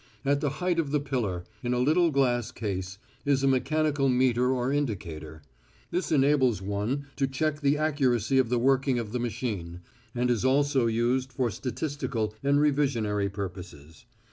At the height of the pillar, in a little glass case, is a mechanical meter or indicator. This enables one to check the accuracy of the working of the machine, and is also useful for statistical and revisionary purposes.